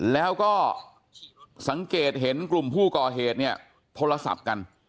แล้วก็สังเกตเห็นกลุ่มผู้ก่อเหตุเนี่ยโทรศัพท์กัน